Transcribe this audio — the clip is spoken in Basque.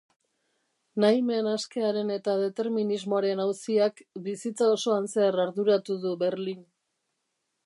Nahimen askearen eta determinismoaren auziak bizitza osoan zehar arduratu du Berlin.